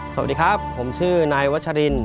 สวัสดีครับผมชื่อนายวัชริน